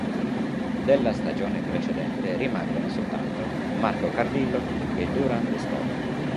Della stagione precedente rimangono soltanto Marco Cardillo e Durand Scott.